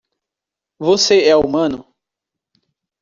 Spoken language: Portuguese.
você é humano?